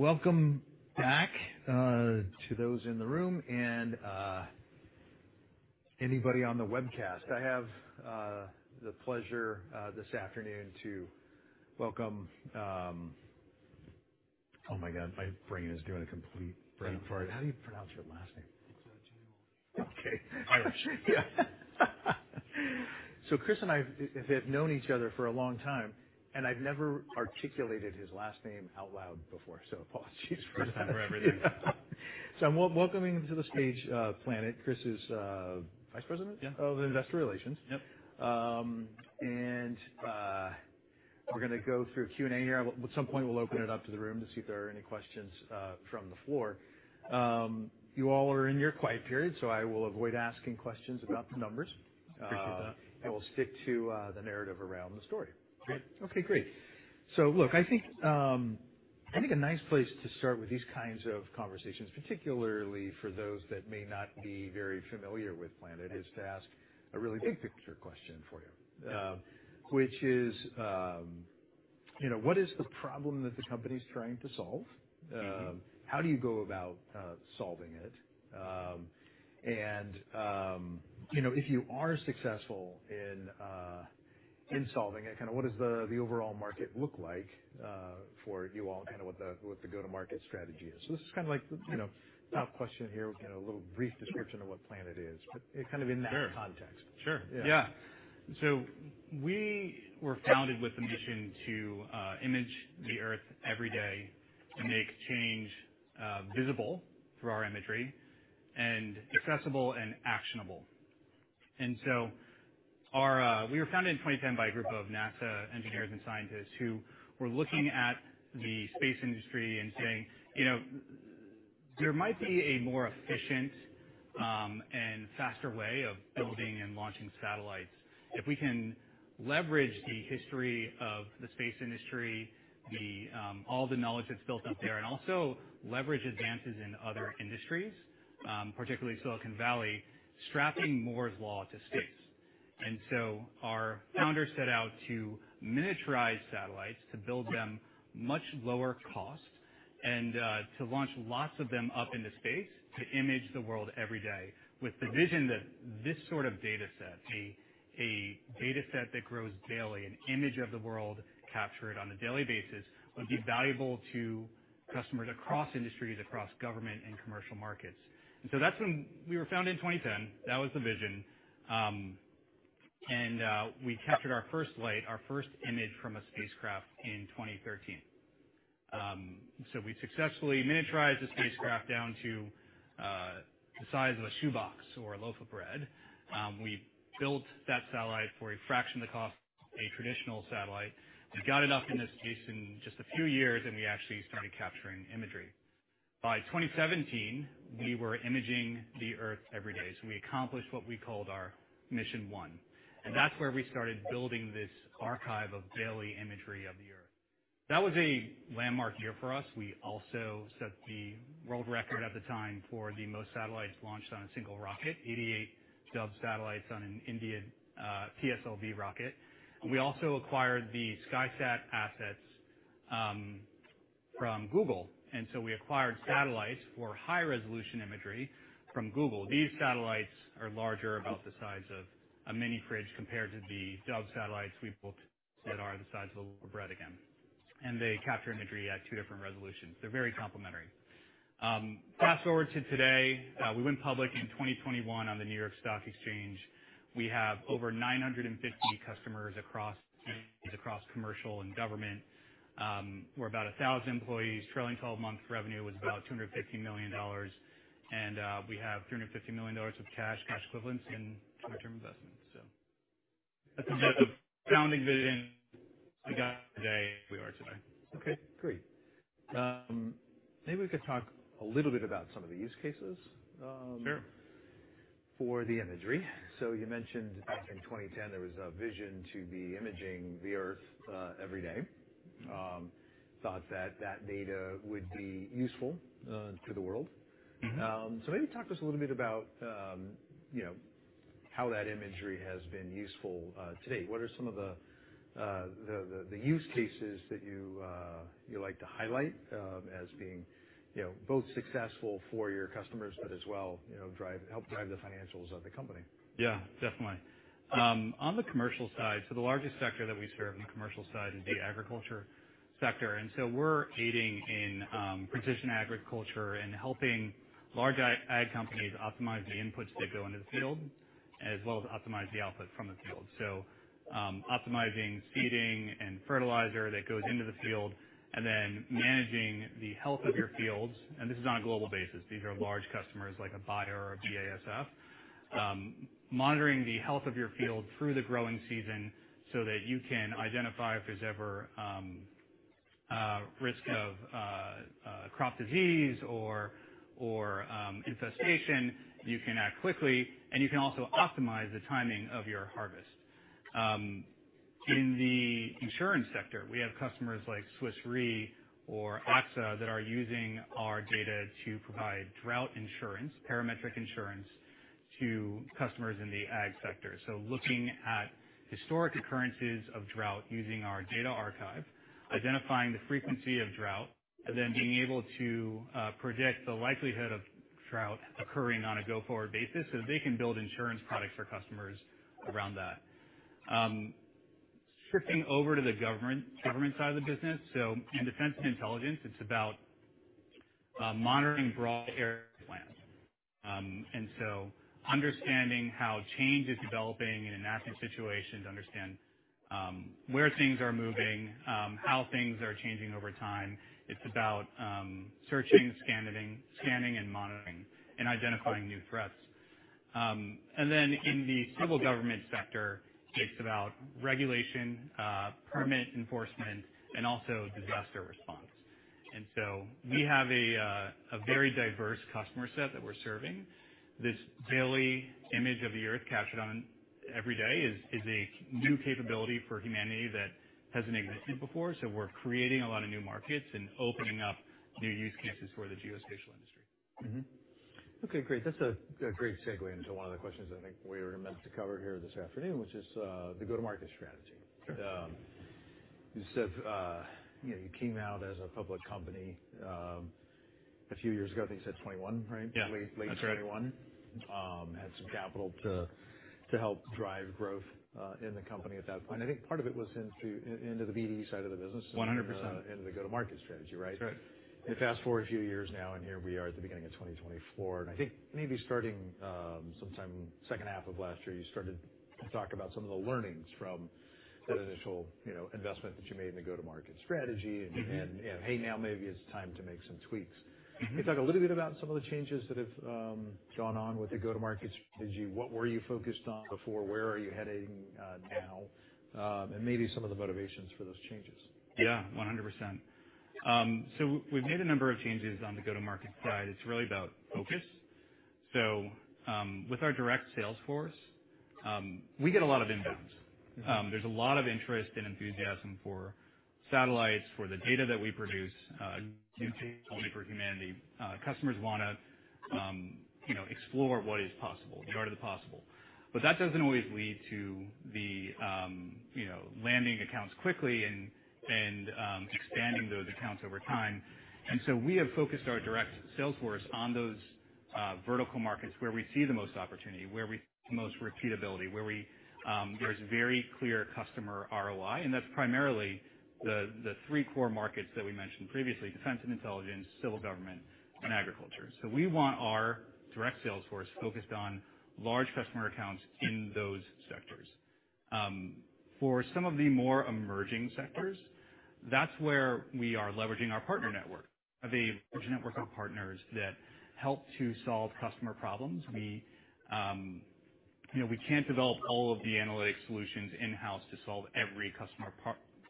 Welcome back to those in the room and anybody on the webcast. I have the pleasure this afternoon to welcome... Oh, my God, my brain is doing a complete brain fart. How do you pronounce your last name? McGeown. Okay. Irish. Yeah. So Chris and I have known each other for a long time, and I've never articulated his last name out loud before, so apologies for that. Thanks for everything. So, I'm welcoming to the stage Planet. Chris is Vice President? Yeah. Of Investor Relations. Yep. We're gonna go through Q&A here. At some point, we'll open it up to the room to see if there are any questions from the floor. You all are in your quiet period, so I will avoid asking questions about the numbers. Appreciate that. We'll stick to the narrative around the story. Great. Okay, great. So look, I think, I think a nice place to start with these kinds of conversations, particularly for those that may not be very familiar with Planet, is to ask a really big-picture question for you. Yeah. which is, you know, what is the problem that the company's trying to solve? Mm-hmm. How do you go about solving it? And you know, if you are successful in solving it, kinda what does the overall market look like for you all and kind of what the go-to-market strategy is? So this is kinda like, you know, top question here, get a little brief description of what Planet is, but kind of in that context. Sure. Sure. Yeah. Yeah. So we were founded with the mission to image the Earth every day, to make change visible through our imagery and accessible and actionable. And so our... We were founded in 2010 by a group of NASA engineers and scientists who were looking at the space industry and saying, "You know, there might be a more efficient and faster way of building and launching satellites. If we can leverage the history of the space industry, all the knowledge that's built up there, and also leverage advances in other industries, particularly Silicon Valley, strapping Moore's Law to space." And so our founders set out to miniaturize satellites, to build them much lower cost, and to launch lots of them up into space to image the world every day, with the vision that this sort of dataset, a dataset that grows daily, an image of the world captured on a daily basis, would be valuable to customers across industries, across government and commercial markets. And so that's when we were founded in 2010. That was the vision. And we captured our first light, our first image from a spacecraft, in 2013. So we successfully miniaturized the spacecraft down to the size of a shoebox or a loaf of bread. We built that satellite for a fraction of the cost of a traditional satellite. We got it up into space in just a few years, and we actually started capturing imagery. By 2017, we were imaging the Earth every day, so we accomplished what we called our Mission One, and that's where we started building this archive of daily imagery of the Earth. That was a landmark year for us. We also set the world record at the time for the most satellites launched on a single rocket, 88 Dove satellites on an Indian PSLV rocket. And we also acquired the SkySat assets from Google, and so we acquired satellites for high-resolution imagery from Google. These satellites are larger, about the size of a mini fridge, compared to the Dove satellites we built that are the size of a loaf of bread again. They capture imagery at two different resolutions. They're very complementary. Fast-forward to today. We went public in 2021 on the New York Stock Exchange. We have over 950 customers across commercial and government. We're about 1,000 employees. Trailing 12-month revenue was about $250 million, and we have $350 million of cash, cash equivalents, and short-term investments. So that's the founding vision we got today. We are today. Okay, great. Maybe we could talk a little bit about some of the use cases, Sure ...for the imagery. So you mentioned in 2010, there was a vision to be imaging the Earth every day. Thought that that data would be useful to the world. Mm-hmm. So maybe talk to us a little bit about, you know, how that imagery has been useful today. What are some of the use cases that you like to highlight as being, you know, both successful for your customers, but as well, you know, drive- help drive the financials of the company? Yeah, definitely. On the commercial side, so the largest sector that we serve on the commercial side is the agriculture sector. And so we're aiding in precision agriculture and helping large ag companies optimize the inputs that go into the field, as well as optimize the output from the field. So, optimizing seeding and fertilizer that goes into the field and then managing the health of your fields, and this is on a global basis. These are large customers, like a Bayer or a BASF. Monitoring the health of your field through the growing season so that you can identify if there's ever risk of crop disease or infestation. You can act quickly, and you can also optimize the timing of your harvest. In the insurance sector, we have customers like Swiss Re or AXA that are using our data to provide drought insurance, parametric insurance... to customers in the ag sector. So looking at historic occurrences of drought using our data archive, identifying the frequency of drought, and then being able to predict the likelihood of drought occurring on a go-forward basis, so they can build insurance products for customers around that. Shifting over to the government side of the business. So in defense and intelligence, it's about monitoring broad area plans. And so understanding how change is developing in a national situation, to understand where things are moving, how things are changing over time. It's about searching, scanning, and monitoring and identifying new threats. And then in the civil government sector, it's about regulation, permit enforcement, and also disaster response. So we have a very diverse customer set that we're serving. This daily image of the Earth captured on every day is a new capability for humanity that hasn't existed before. So we're creating a lot of new markets and opening up new use cases for the geospatial industry. Mm-hmm. Okay, great. That's a great segue into one of the questions I think we were meant to cover here this afternoon, which is the go-to-market strategy. Sure. You said, you know, you came out as a public company, a few years ago. I think you said '2021, right? Yeah. Late, late 2021. That's right. had some capital to help drive growth in the company at that point. I think part of it was into the B2B side of the business- 100%. into the go-to-market strategy, right? That's right. And fast-forward a few years now, and here we are at the beginning of 2024. And I think maybe starting sometime second half of last year, you started to talk about some of the learnings from- Sure. that initial, you know, investment that you made in the go-to-market strategy. Mm-hmm. Hey, now maybe it's time to make some tweaks. Mm-hmm. Can you talk a little bit about some of the changes that have gone on with the go-to-market strategy? What were you focused on before? Where are you heading now? And maybe some of the motivations for those changes. Yeah, 100%. So we've made a number of changes on the go-to-market side. It's really about focus. So, with our direct sales force, we get a lot of inbounds. Mm-hmm. There's a lot of interest and enthusiasm for satellites, for the data that we produce only for humanity. Customers wanna, you know, explore what is possible, the art of the possible. But that doesn't always lead to the you know, landing accounts quickly and expanding those accounts over time. And so we have focused our direct sales force on those vertical markets where we see the most opportunity, where we see the most repeatability, where there's very clear customer ROI, and that's primarily the three core markets that we mentioned previously: defense and intelligence, civil government, and agriculture. So we want our direct sales force focused on large customer accounts in those sectors. For some of the more emerging sectors, that's where we are leveraging our partner network, the network of partners that help to solve customer problems. We, you know, we can't develop all of the analytic solutions in-house to solve every customer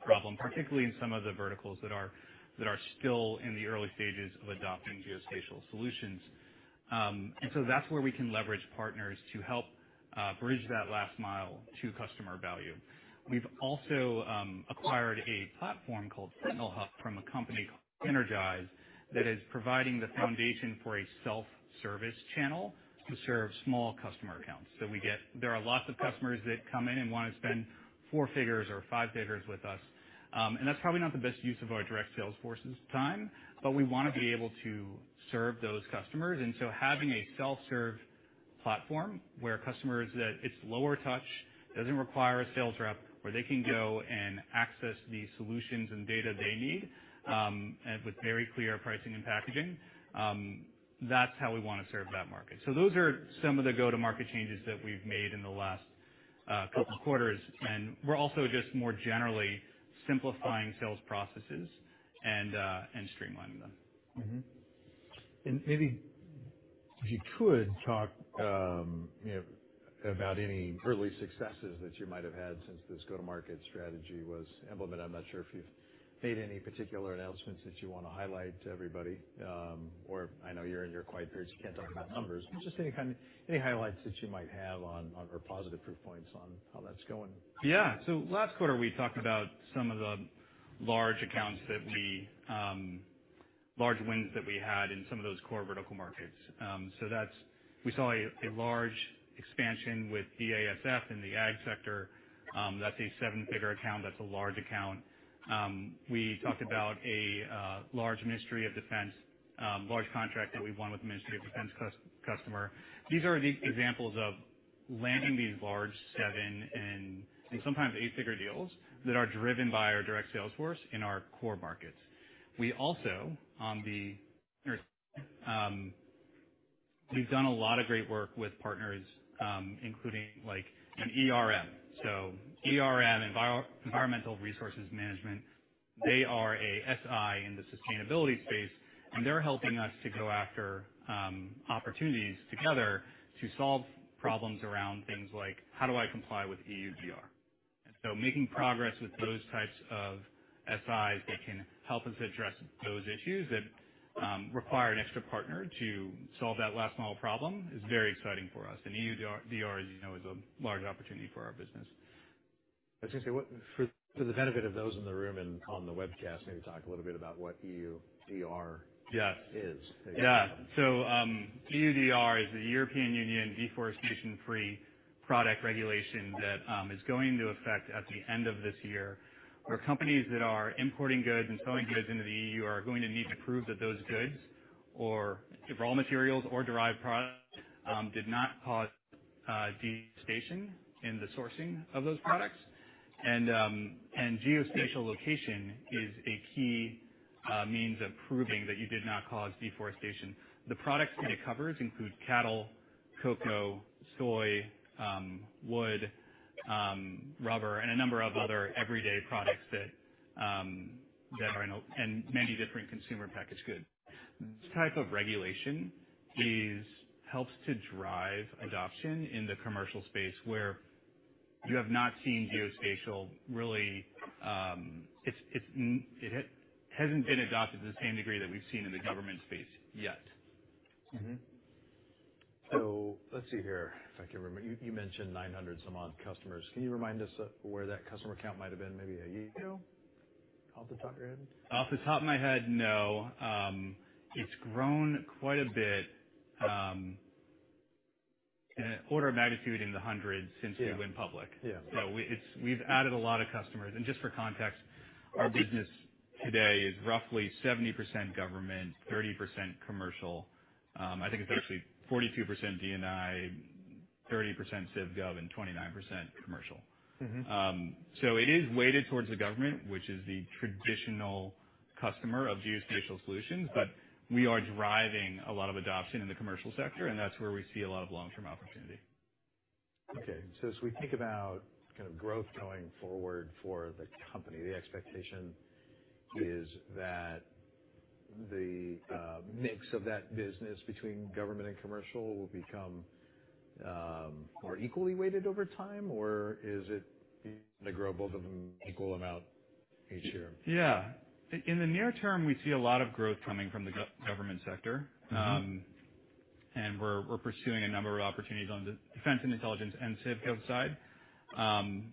problem, particularly in some of the verticals that are still in the early stages of adopting geospatial solutions. And so that's where we can leverage partners to help bridge that last mile to customer value. We've also acquired a platform called SignalHub from a company called Energize that is providing the foundation for a self-service channel to serve small customer accounts. So there are lots of customers that come in and wanna spend four figures or five figures with us, and that's probably not the best use of our direct sales force's time, but we wanna be able to serve those customers. And so having a self-serve platform where customers that it's lower touch, doesn't require a sales rep, where they can go and access the solutions and data they need, and with very clear pricing and packaging, that's how we wanna serve that market. So those are some of the go-to-market changes that we've made in the last couple quarters, and we're also just more generally simplifying sales processes and streamlining them. Mm-hmm. And maybe if you could talk, you know, about any early successes that you might have had since this go-to-market strategy was implemented. I'm not sure if you've made any particular announcements that you wanna highlight to everybody, or I know you're in your quiet period, so you can't talk about numbers. But just any kind, any highlights that you might have on or positive proof points on how that's going? Yeah. So last quarter, we talked about some of the large accounts that we, large wins that we had in some of those core vertical markets. So that's... We saw a large expansion with BASF in the ag sector. That's a seven-figure account. That's a large account. We talked about a large Ministry of Defense large contract that we won with the Ministry of Defense customer. These are the examples of landing these large seven and sometimes eight-figure deals that are driven by our direct sales force in our core markets. We also on the we've done a lot of great work with partners, including, like, an ERM. So ERM, Environmental Resources Management, they are a SI in the sustainability space, and they're helping us to go after opportunities together to solve problems around things like: How do I comply with EUDR? And so making progress with those types of SIs that can help us address those issues that require an extra partner to solve that last-mile problem is very exciting for us. And EUDR, as you know, is a large opportunity for our business. ... I was gonna say, for the benefit of those in the room and on the webcast, maybe talk a little bit about what EUDR- Yes. -is. Yeah. So, EUDR is the European Union Deforestation Regulation that is going into effect at the end of this year, where companies that are importing goods and selling goods into the EU are going to need to prove that those goods or if raw materials or derived products did not cause deforestation in the sourcing of those products. And geospatial location is a key means of proving that you did not cause deforestation. The products that it covers include cattle, cocoa, soy, wood, rubber, and a number of other everyday products that are in and many different consumer packaged goods. This type of regulation helps to drive adoption in the commercial space, where you have not seen geospatial really. It hasn't been adopted to the same degree that we've seen in the government space yet. Mm-hmm. So let's see here. If I can remember, you mentioned 900-some-odd customers. Can you remind us of where that customer count might have been maybe a year ago, off the top of your head? Off the top of my head, no. It's grown quite a bit, in an order of magnitude in the hundreds since- Yeah We went public. Yeah. So we've added a lot of customers. Just for context, our business today is roughly 70% government, 30% commercial. I think it's actually 42% DNI, 30% civ gov, and 29% commercial. Mm-hmm. So it is weighted towards the government, which is the traditional customer of geospatial solutions, but we are driving a lot of adoption in the commercial sector, and that's where we see a lot of long-term opportunity. Okay. So as we think about kind of growth going forward for the company, the expectation is that the mix of that business between government and commercial will become more equally weighted over time? Or is it they grow both of them equal amount each year? Yeah. In the near term, we see a lot of growth coming from the government sector. Mm-hmm. And we're pursuing a number of opportunities on the defense and intelligence and civ gov side.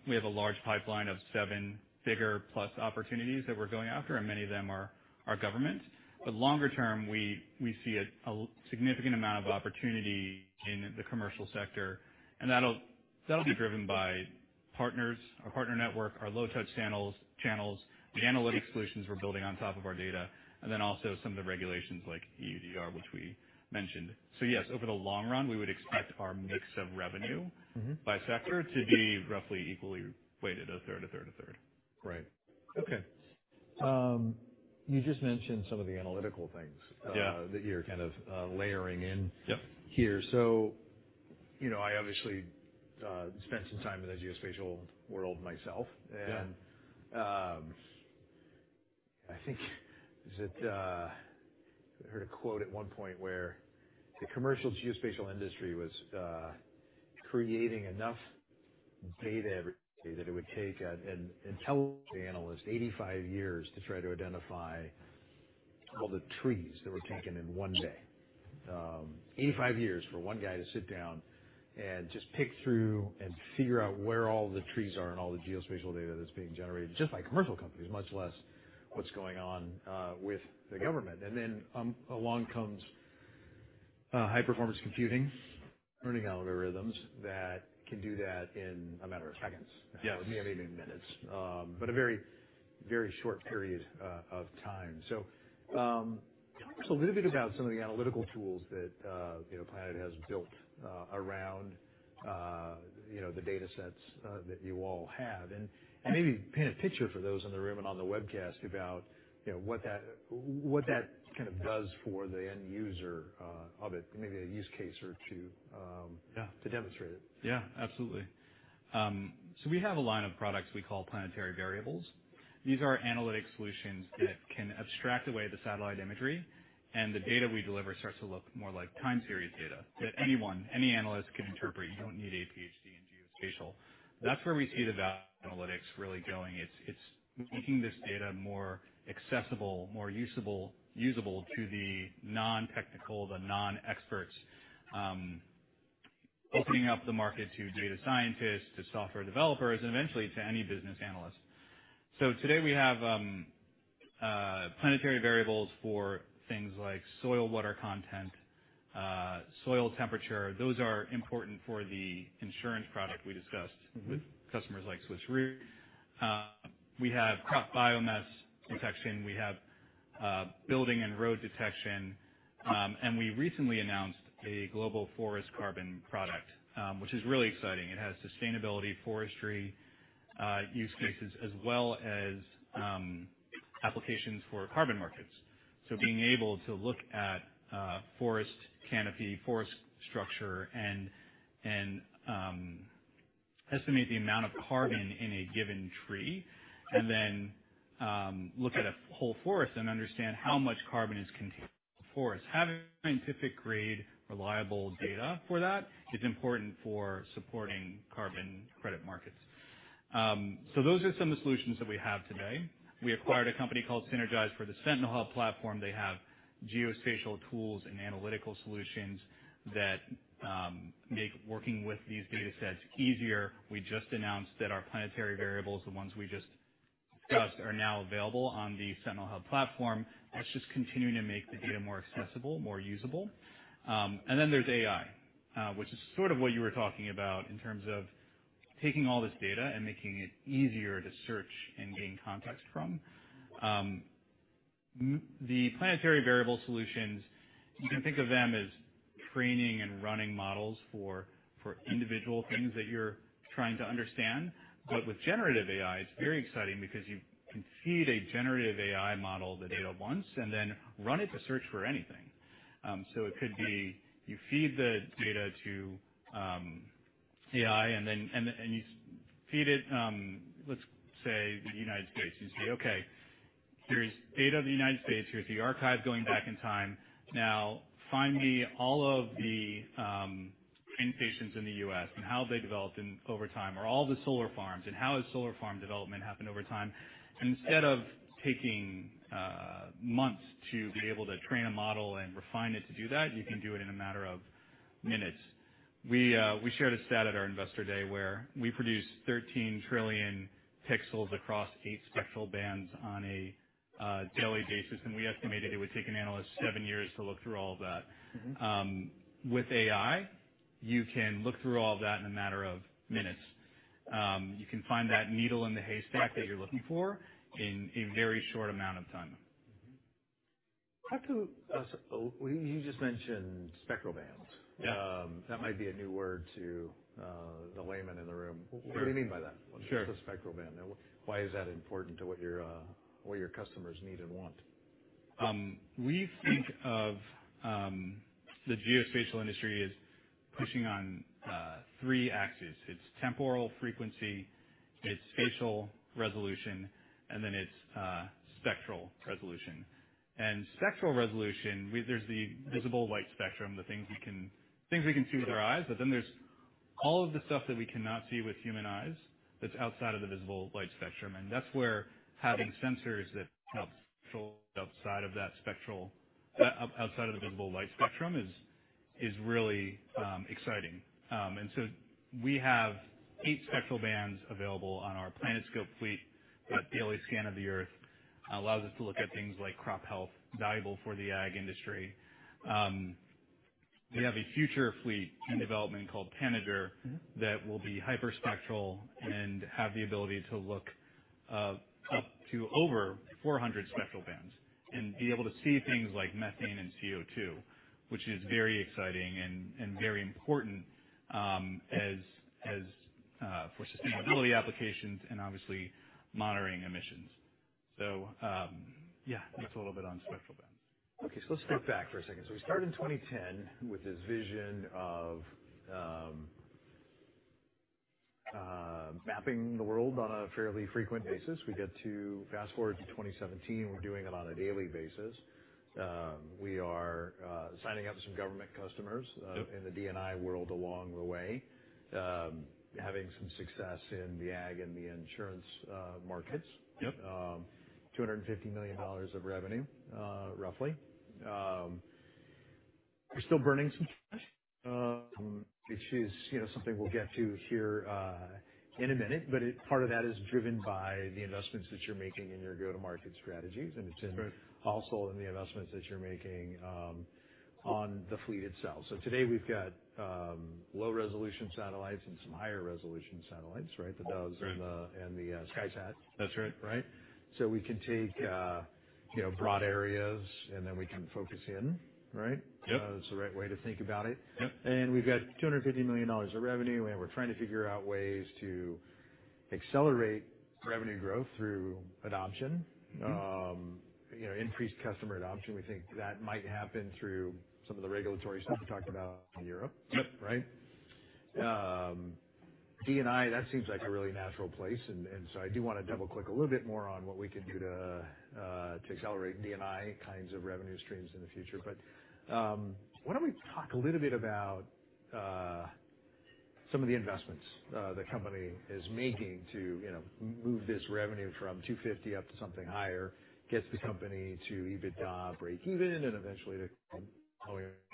We have a large pipeline of 7-figure plus opportunities that we're going after, and many of them are government. But longer term, we see a significant amount of opportunity in the commercial sector, and that'll be driven by partners, our partner network, our low-touch channels, the analytic solutions we're building on top of our data, and then also some of the regulations like EUDR, which we mentioned. So yes, over the long run, we would expect our mix of revenue- Mm-hmm by sector to be roughly equally weighted, a third, a third, a third. Right. Okay. You just mentioned some of the analytical things- Yeah that you're kind of layering in- Yep So, you know, I obviously spent some time in the geospatial world myself. Yeah. I think that I heard a quote at one point where the commercial geospatial industry was creating enough data every day that it would take an intelligence analyst 85 years to try to identify all the trees that were taken in one day. 85 years for one guy to sit down and just pick through and figure out where all the trees are and all the geospatial data that's being generated, just by commercial companies, much less what's going on with the government. Along comes high performance computing, learning algorithms that can do that in a matter of seconds. Yes. Maybe even minutes, but a very, very short period of time. So, talk us a little bit about some of the analytical tools that, you know, Planet has built, around, you know, the datasets, that you all have. And, maybe paint a picture for those in the room and on the webcast about, you know, what that, what that kind of does for the end user, of it, maybe a use case or two, Yeah to demonstrate it. Yeah, absolutely. So we have a line of products we call Planetary Variables. These are analytic solutions that can abstract away the satellite imagery, and the data we deliver starts to look more like time series data that anyone, any analyst, can interpret. You don't need a PhD in geospatial. That's where we see the data analytics really going. It's, it's making this data more accessible, more usable, usable to the non-technical, the non-experts. Opening up the market to data scientists, to software developers, and eventually to any business analyst. So today we have Planetary Variables for things like soil water content, soil temperature. Those are important for the insurance product we discussed. Mm-hmm With customers like Swiss Re. We have crop biomass detection, we have building and road detection, and we recently announced a global forest carbon product, which is really exciting. It has sustainability, forestry use cases, as well as applications for carbon markets. So being able to look at forest canopy, forest structure, and estimate the amount of carbon in a given tree, and then look at a whole forest and understand how much carbon is contained in the forest. Having scientific-grade, reliable data for that is important for supporting carbon credit markets. So those are some of the solutions that we have today. We acquired a company called Sinergise for the Sentinel Hub platform. They have geospatial tools and analytical solutions that make working with these datasets easier. We just announced that our Planetary Variables, the ones we just are now available on the Sentinel Hub platform. That's just continuing to make the data more accessible, more usable. And then there's AI, which is sort of what you were talking about in terms of taking all this data and making it easier to search and gain context from. The Planetary Variables solutions, you can think of them as training and running models for individual things that you're trying to understand. But with generative AI, it's very exciting because you can feed a generative AI model the data once and then run it to search for anything. So it could be you feed the data to AI, and then you feed it, let's say, the United States, and say: Okay, here's data of the United States. Here's the archive going back in time. Now, find me all of the wind plants in the US and how they developed over time, or all the solar farms, and how has solar farm development happened over time? And instead of taking months to be able to train a model and refine it to do that, you can do it in a matter of minutes. We, we shared a stat at our investor day where we produce 13 trillion pixels across 8 spectral bands on a daily basis, and we estimated it would take an analyst 7 years to look through all of that. Mm-hmm. With AI, you can look through all that in a matter of minutes. You can find that needle in the haystack that you're looking for in a very short amount of time. Mm-hmm. Talk to us. You just mentioned Spectral Bands. Yeah. That might be a new word to the layman in the room. Sure. What do you mean by that? Sure. What's a spectral band? And why is that important to what your customers need and want? We think of the geospatial industry as pushing on three axes. It's temporal frequency, it's spatial resolution, and then it's spectral resolution. Spectral resolution, there's the visible light spectrum, the things we can see with our eyes, but then there's all of the stuff that we cannot see with human eyes that's outside of the visible light spectrum, and that's where having sensors that help outside of the visible light spectrum is really exciting. And so we have eight spectral bands available on our PlanetScope fleet. A daily scan of the Earth allows us to look at things like crop health, valuable for the ag industry. We have a future fleet in development called Tanager- Mm-hmm. -that will be hyperspectral and have the ability to look up to over 400 spectral bands and be able to see things like methane and CO2, which is very exciting and very important as for sustainability applications and obviously monitoring emissions. So, yeah, that's a little bit on spectral bands. Okay, so let's think back for a second. We started in 2010 with this vision of mapping the world on a fairly frequent basis. We get to fast-forward to 2017, we're doing it on a daily basis. We are signing up some government customers- Yep. in the DNI world along the way. Having some success in the ag and the insurance markets. Yep. $250 million of revenue, roughly. You're still burning some cash, which is, you know, something we'll get to here, in a minute, but it... Part of that is driven by the investments that you're making in your go-to-market strategies. Right. It's also in the investments that you're making on the fleet itself. Today we've got low-resolution satellites and some higher-resolution satellites, right? Mm-hmm. The Doves and the SkySats. That's right. Right? So we can take, you know, broad areas, and then we can focus in, right? Yep. is the right way to think about it. Yep. We've got $250 million of revenue, and we're trying to figure out ways to accelerate revenue growth through adoption. Mm-hmm. You know, increased customer adoption. We think that might happen through some of the regulatory stuff you talked about in Europe. Yep. Right? DNI, that seems like a really natural place, and so I do wanna double-click a little bit more on what we can do to accelerate DNI kinds of revenue streams in the future. But why don't we talk a little bit about some of the investments the company is making to, you know, move this revenue from $250 million up to something higher, gets the company to EBITDA breakeven and eventually to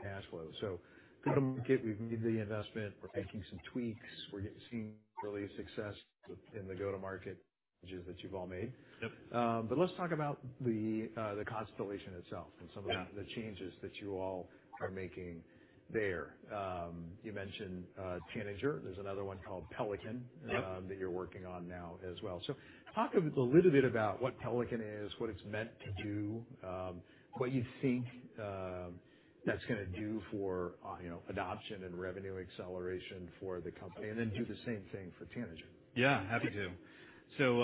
cash flow. So go-to-market, we've made the investment. We're making some tweaks. We're seeing early success with the go-to-market changes that you've all made. Yep. But let's talk about the constellation itself. Yeah -and some of the changes that you all are making there. You mentioned Tanager. There's another one called Pelican- Yep... that you're working on now as well. So talk a little bit about what Pelican is, what it's meant to do, what you think that's gonna do for, you know, adoption and revenue acceleration for the company, and then do the same thing for Tanager. Yeah, happy to. So,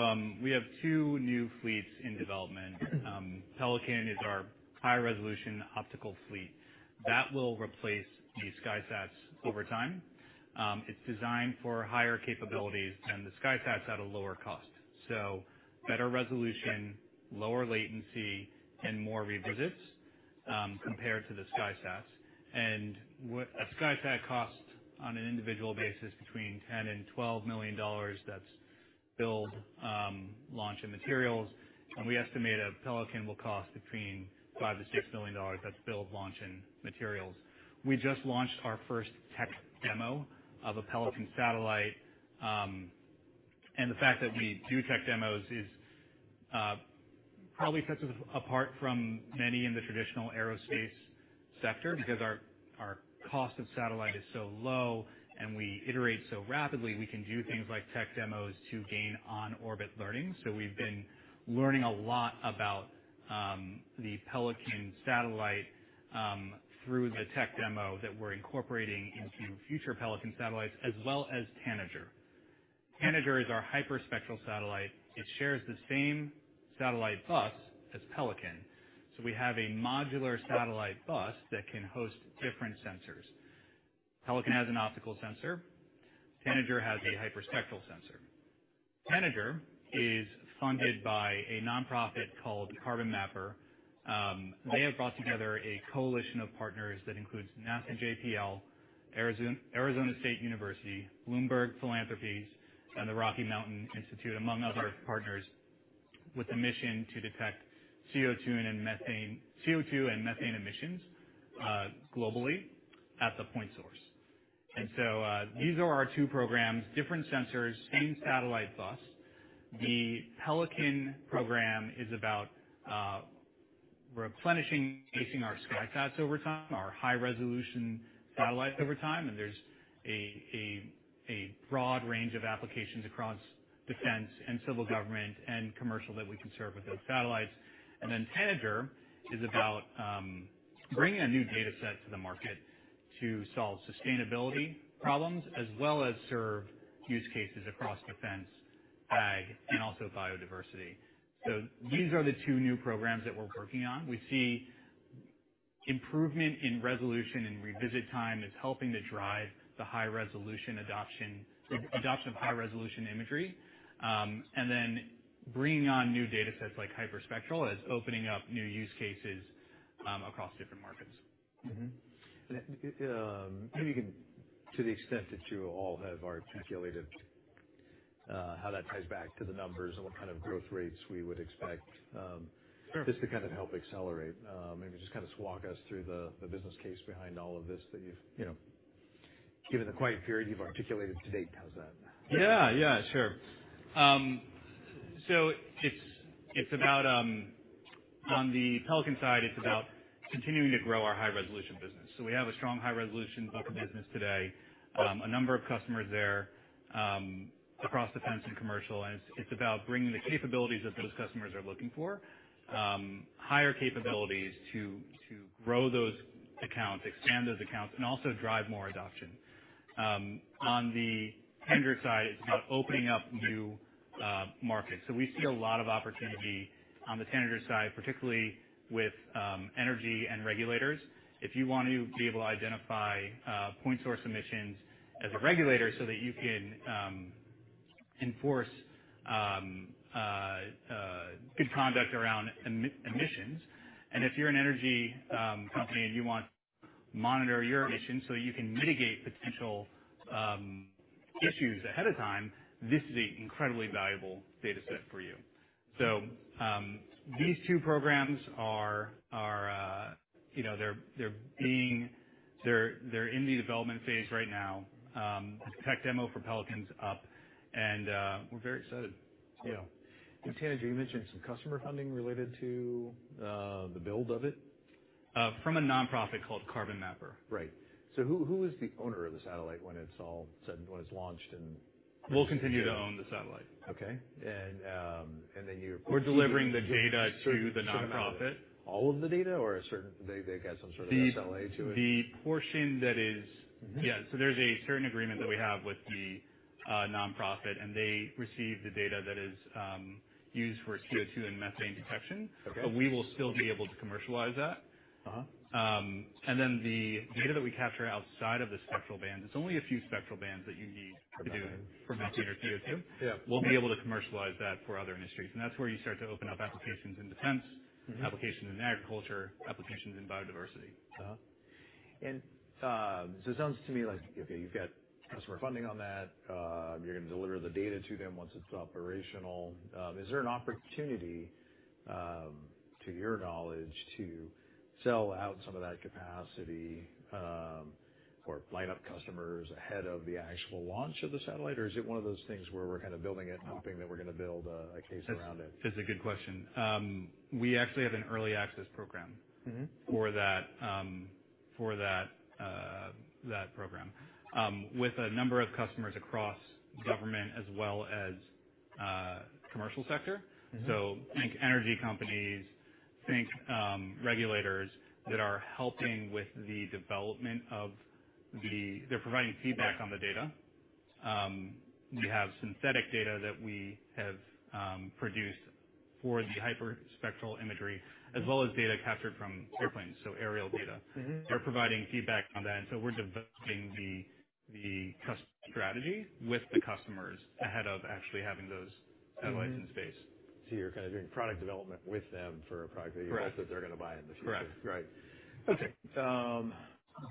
we have two new fleets in development. Pelican is our high-resolution optical fleet. That will replace the SkySats over time. It's designed for higher capabilities than the SkySats at a lower cost. So better resolution, lower latency, and more revisits, compared to the SkySats. And what a SkySat costs, on an individual basis, between $10-$12 million. That's build, launch, and materials. And we estimate a Pelican will cost between $5-$6 million. That's build, launch, and materials. We just launched our first tech demo of a Pelican satellite. And the fact that we do tech demos is probably sets us apart from many in the traditional aerospace sector, because our cost of satellite is so low, and we iterate so rapidly, we can do things like tech demos to gain on-orbit learning. So we've been learning a lot about the Pelican satellite through the tech demo that we're incorporating into future Pelican satellites, as well as Tanager. Tanager is our hyperspectral satellite. It shares the same satellite bus as Pelican. So we have a modular satellite bus that can host different sensors. Pelican has an optical sensor. Tanager has a hyperspectral sensor. Tanager is funded by a nonprofit called Carbon Mapper. They have brought together a coalition of partners that includes NASA JPL, Arizona State University, Bloomberg Philanthropies, and the Rocky Mountain Institute, among other partners, with a mission to detect CO2 and methane emissions globally at the point source. These are our two programs, different sensors, same satellite bus. The Pelican program is about replenishing, increasing our SkySats over time, our high-resolution satellites over time, and there's a broad range of applications across defense and civil government and commercial that we can serve with those satellites. And then Tanager is about bringing a new data set to the market to solve sustainability problems, as well as serve use cases across defense, ag, and also biodiversity. So these are the two new programs that we're working on. We see improvement in resolution and revisit time is helping to drive the high-resolution adoption, the adoption of high-resolution imagery. And then bringing on new datasets like hyperspectral is opening up new use cases across different markets. Mm-hmm. And, maybe you can, to the extent that you all have articulated, how that ties back to the numbers and what kind of growth rates we would expect, Sure. Just to kind of help accelerate. Maybe just kind of walk us through the business case behind all of this that you've, you know, given the quiet period you've articulated to date. How's that? Yeah, yeah, sure. So it's, it's about, on the Pelican side, it's about continuing to grow our high-resolution business. So we have a strong high-resolution business today. A number of customers there, across defense and commercial, and it's, it's about bringing the capabilities that those customers are looking for, higher capabilities to, to grow those accounts, expand those accounts, and also drive more adoption. On the Tanager side, it's about opening up new markets. So we see a lot of opportunity on the Tanager side, particularly with energy and regulators. If you want to be able to identify point source emissions as a regulator so that you can enforce good conduct around emissions. If you're an energy company, and you want to monitor your emissions so you can mitigate potential issues ahead of time, this is an incredibly valuable data set for you. So, these two programs are, you know, they're in the development phase right now. The tech demo for Pelican's up, and we're very excited. Yeah. Tanager, you mentioned some customer funding related to the build of it? from a nonprofit called Carbon Mapper. Right. So who, who is the owner of the satellite when it's all said, when it's launched and- We'll continue to own the satellite. Okay. And then you- We're delivering the data to the nonprofit. All of the data or a certain... They got some sort of SLA to it? The portion that is- Mm-hmm. Yeah, so there's a certain agreement that we have with the nonprofit, and they receive the data that is used for CO2 and methane detection. Okay. But we will still be able to commercialize that. Uh-huh. And then the data that we capture outside of the spectral bands, it's only a few spectral bands that you need to do- Okay for methane or CO2. Yeah. We'll be able to commercialize that for other industries, and that's where you start to open up applications in defense- Mm-hmm. applications in agriculture, applications in biodiversity. So it sounds to me like, okay, you've got customer funding on that. You're gonna deliver the data to them once it's operational. Is there an opportunity, to your knowledge, to sell out some of that capacity, or light up customers ahead of the actual launch of the satellite? Or is it one of those things where we're kind of building it, hoping that we're gonna build a case around it? It's a good question. We actually have an early access program- Mm-hmm... for that program with a number of customers across government as well as commercial sector. Mm-hmm. So think energy companies, think, regulators that are helping with the development of the—they're providing feedback on the data. We have synthetic data that we have produced for the hyperspectral imagery, as well as data captured from airplanes, so aerial data. Mm-hmm. They're providing feedback on that, and so we're developing the customer strategy with the customers ahead of actually having those satellites in space. Mm-hmm. So you're kind of doing product development with them for a product that you hope- Right that they're gonna buy in the future. Right. Right. Okay,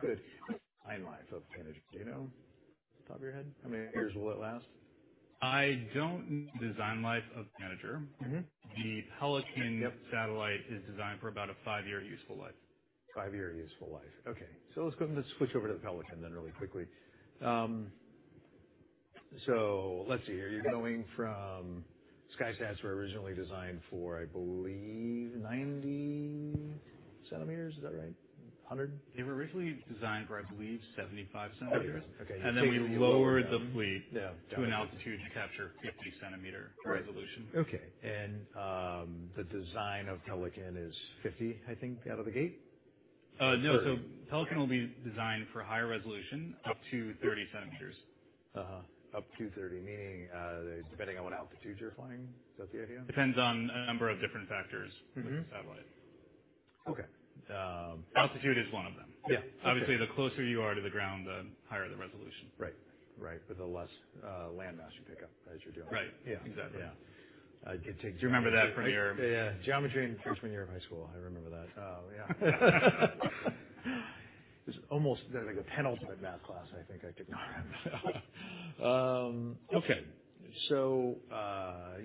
good. What's the timeline of Tanager, do you know?... top of your head? How many years will it last? I don't know design life of the Tanager. Mm-hmm. The Pelican- Yep satellite is designed for about a five-year useful life. Five-year useful life. Okay, so let's go, let's switch over to the Pelican then really quickly. So let's see here. You're going from SkySats were originally designed for, I believe, 90 centimeters. Is that right? 100? They were originally designed for, I believe, 75 centimeters. Okay. Then we lowered the fleet- Yeah -to an altitude to capture 50-centimeter resolution. Right. Okay, and, the design of Pelican is 50, I think, out of the gate? Uh, no. Thirty. Pelican will be designed for higher resolution, up to 30 centimeters. Uh-huh. Up to 30, meaning, depending on what altitude you're flying, is that the idea? Depends on a number of different factors- Mm-hmm with the satellite. Okay. Um. Altitude is one of them. Yeah. Obviously, the closer you are to the ground, the higher the resolution. Right. Right, but the less land mass you pick up as you're doing it. Right. Yeah. Exactly. Yeah. I could take- Do you remember that from your- Yeah, geometry in freshman year of high school. I remember that. Oh, yeah. It's almost like the penultimate math class I think I can remember. Okay. So,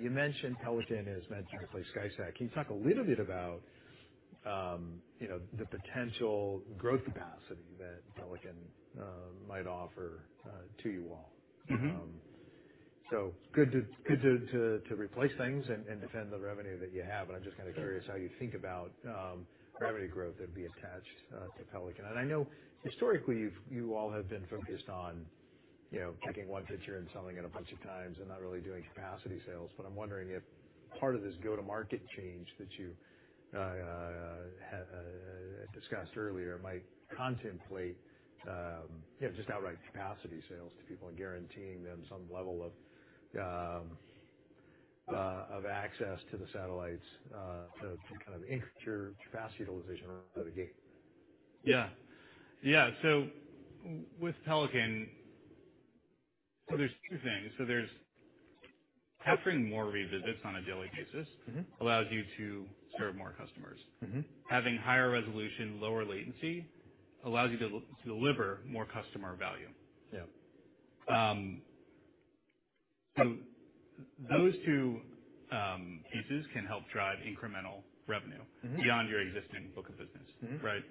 you mentioned Pelican is meant to replace SkySat. Can you talk a little bit about, you know, the potential growth capacity that Pelican might offer to you all? Mm-hmm. So good to replace things and defend the revenue that you have, but I'm just kind of curious how you think about revenue growth that would be attached to Pelican. And I know historically, you've, you all have been focused on, you know, taking one picture and selling it a bunch of times and not really doing capacity sales, but I'm wondering if part of this go-to-market change that you discussed earlier might contemplate, you know, just outright capacity sales to people and guaranteeing them some level of access to the satellites to kind of increase your capacity utilization out of the gate. Yeah. Yeah, so with Pelican, so there's two things. So there's... offering more revisits on a daily basis- Mm-hmm allows you to serve more customers. Mm-hmm. Having higher resolution, lower latency allows you to deliver more customer value. Yeah. So those two pieces can help drive incremental revenue- Mm-hmm -beyond your existing book of business. Mm-hmm. Right?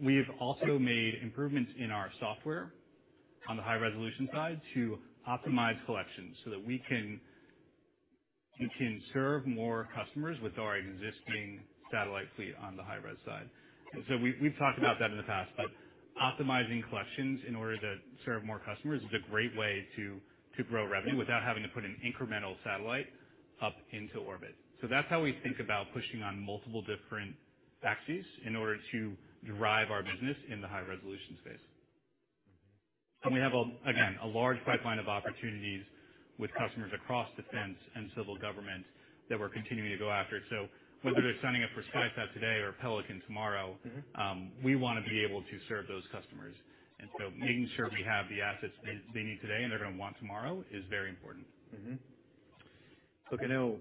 We've also made improvements in our software on the high-resolution side to optimize collections so that we can serve more customers with our existing satellite fleet on the high res side. And so we've talked about that in the past, but optimizing collections in order to serve more customers is a great way to grow revenue without having to put an incremental satellite up into orbit. So that's how we think about pushing on multiple different axes in order to derive our business in the high-resolution space. Mm-hmm. We have, again, a large pipeline of opportunities with customers across defense and civil government that we're continuing to go after. Whether they're signing up for SkySat today or Pelican tomorrow- Mm-hmm We wanna be able to serve those customers. And so making sure we have the assets they need today and they're gonna want tomorrow is very important. Mm-hmm. Look, I know,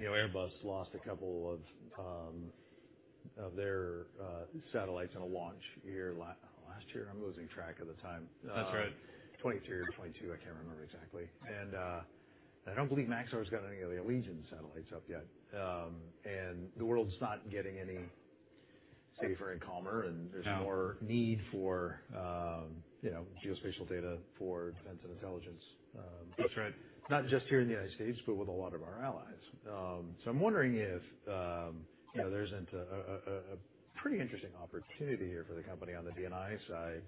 you know, Airbus lost a couple of their satellites on a launch last year? I'm losing track of the time. That's right. 2023 or 2022, I can't remember exactly. I don't believe Maxar's got any of the Allegiance satellites up yet. The world's not getting any safer and calmer. No There's more need for, you know, geospatial data for defense and intelligence. That's right... not just here in the United States, but with a lot of our allies. So I'm wondering if, you know- Yeah There isn't a pretty interesting opportunity here for the company on the DNI side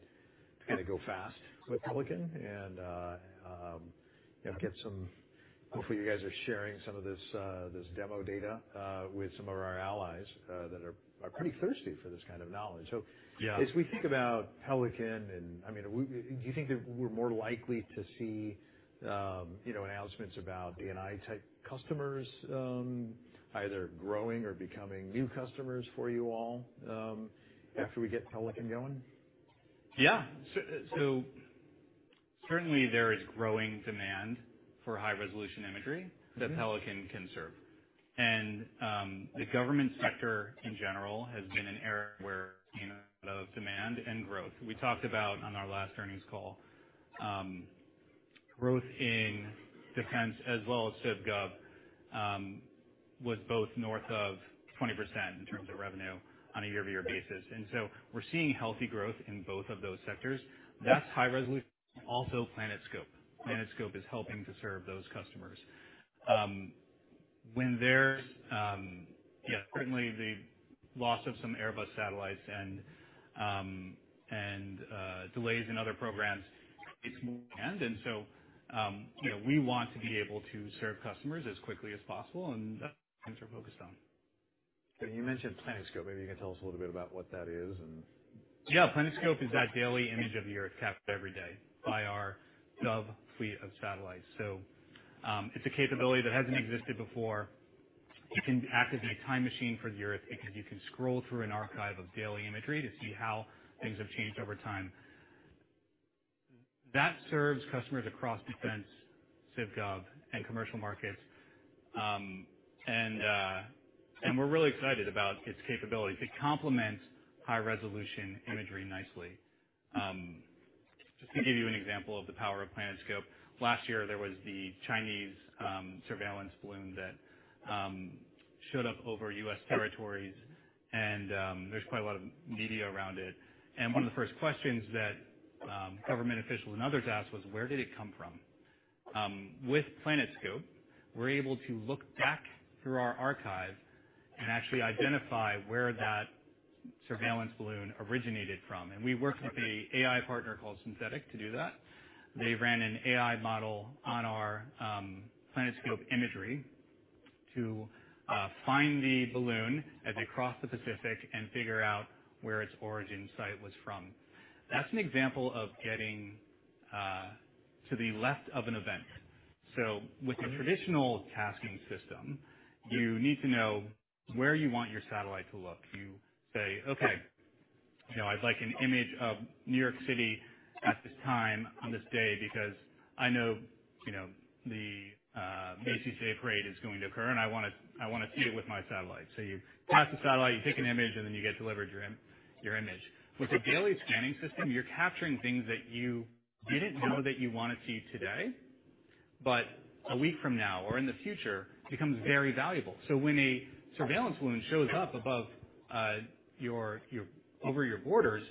to kind of go fast with Pelican and, you know, get some... Hopefully, you guys are sharing some of this demo data with some of our allies that are pretty thirsty for this kind of knowledge. So- Yeah... as we think about Pelican and I mean, do you think that we're more likely to see, you know, announcements about DNI-type customers, either growing or becoming new customers for you all, after we get Pelican going? Yeah. So, certainly there is growing demand for high-resolution imagery- Mm-hmm -that Pelican can serve. And, the government sector in general, has been an area where of demand and growth. We talked about on our last earnings call, growth in defense as well as civ gov, was both north of 20% in terms of revenue on a year-over-year basis, and so we're seeing healthy growth in both of those sectors. Yeah. That's high resolution, also PlanetScope. PlanetScope is helping to serve those customers. When there's... Yeah, certainly the loss of some Airbus satellites and, and, delays in other programs, and so, you know, we want to be able to serve customers as quickly as possible, and that's we're focused on. So, you mentioned PlanetScope. Maybe you can tell us a little bit about what that is and— Yeah, PlanetScope is that daily image of the Earth captured every day by our gov fleet of satellites. So, it's a capability that hasn't existed before. It can act as a time machine for the Earth because you can scroll through an archive of daily imagery to see how things have changed over time. That serves customers across defense, civ gov, and commercial markets. We're really excited about its capability. It complements high-resolution imagery nicely. Just to give you an example of the power of PlanetScope, last year there was the Chinese surveillance balloon that showed up over U.S. territories, and there's quite a lot of media around it. One of the first questions that government officials and others asked was, "Where did it come from?" With PlanetScope, we're able to look back through our archive and actually identify where that surveillance balloon originated from, and we worked with a AI partner called Synthetaic to do that. They ran an AI model on our PlanetScope imagery to find the balloon as it crossed the Pacific and figure out where its origin site was from. That's an example of getting to the left of an event. So with a traditional tasking system, you need to know where you want your satellite to look. You say, "Okay, you know, I'd like an image of New York City at this time, on this day, because I know, you know, the Macy's Day Parade is going to occur, and I wanna see it with my satellite." So you task the satellite, you take an image, and then you get delivered your image. With the daily scanning system, you're capturing things that you didn't know that you wanted to see today, but a week from now or in the future, becomes very valuable. So when a surveillance balloon shows up above, over your borders,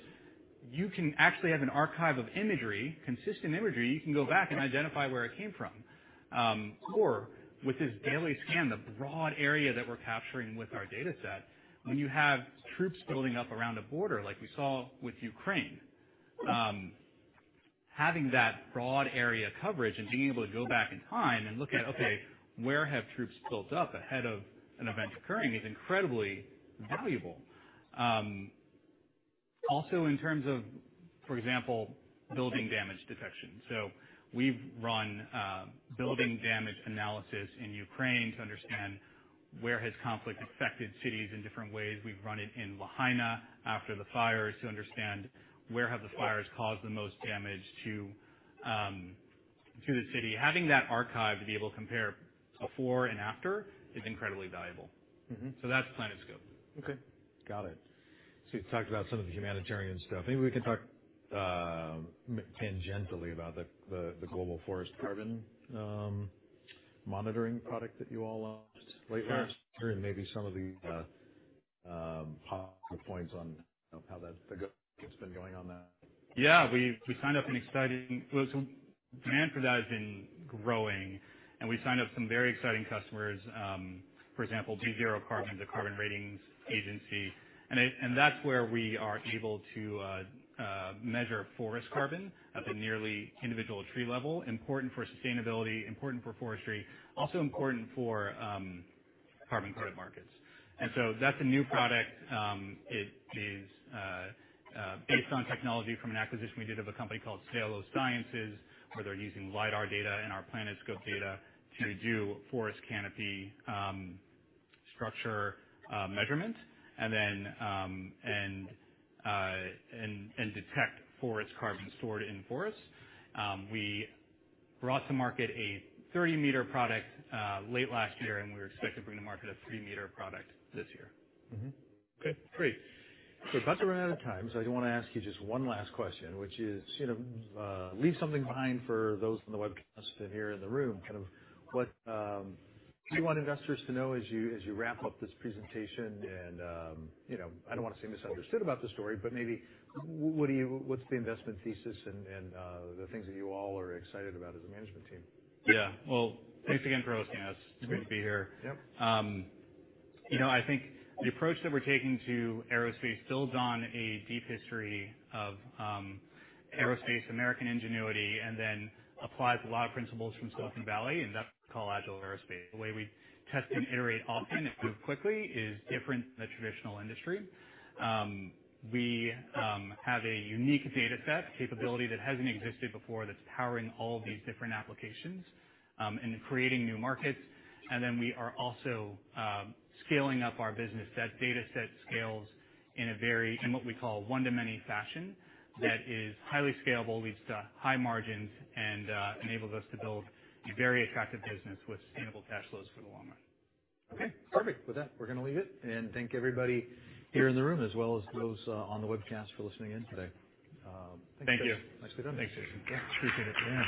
you can actually have an archive of imagery, consistent imagery, you can go back and identify where it came from. Or with this daily scan, the broad area that we're capturing with our dataset, when you have troops building up around a border, like we saw with Ukraine, having that broad area coverage and being able to go back in time and look at, okay, where have troops built up ahead of an event occurring, is incredibly valuable. Also in terms of, for example, building damage detection. So we've run building damage analysis in Ukraine to understand where has conflict affected cities in different ways. We've run it in Lahaina after the fires to understand where have the fires caused the most damage to the city. Having that archive to be able to compare before and after is incredibly valuable. Mm-hmm. That's PlanetScope. Okay, got it. So you've talked about some of the humanitarian stuff. Maybe we can talk tangentially about the global forest carbon monitoring product that you all launched late last year, and maybe some of the positive points on how that's been going on that. Yeah. We've signed up an exciting... So demand for that has been growing, and we signed up some very exciting customers, for example, BeZero Carbon, the carbon ratings agency. And that's where we are able to measure forest carbon at the nearly individual tree level. Important for sustainability, important for forestry, also important for carbon credit markets. And so that's a new product. It is based on technology from an acquisition we did of a company called Salo Sciences, where they're using LIDAR data and our PlanetScope data to do forest canopy structure measurement, and then detect forest carbon stored in forests. We brought to market a 30-meter product late last year, and we expect to bring to market a 3-meter product this year. Mm-hmm. Okay, great. So we're about to run out of time, so I just wanna ask you just one last question, which is, you know, leave something behind for those on the webcast and here in the room. Kind of what do you want investors to know as you, as you wrap up this presentation and, you know, I don't wanna say misunderstood about the story, but maybe what do you -- what's the investment thesis and, and the things that you all are excited about as a management team? Yeah. Well, thanks again for hosting us. Yep. It's great to be here. Yep. You know, I think the approach that we're taking to aerospace builds on a deep history of aerospace, American ingenuity, and then applies a lot of principles from Silicon Valley, and that's called Agile Aerospace. The way we test and iterate often and move quickly is different than the traditional industry. We have a unique data set capability that hasn't existed before, that's powering all these different applications, and creating new markets. And then we are also scaling up our business. That data set scales in a very, in what we call one to many fashion, that is highly scalable, leads to high margins, and enables us to build a very attractive business with sustainable cash flows for the long run. Okay, perfect. With that, we're gonna leave it. Thank everybody here in the room, as well as those on the webcast, for listening in today. Thank you. Nicely done. Thanks. Yeah, appreciate it. Yeah.